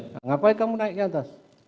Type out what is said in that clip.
kenapa kamu naik ke atas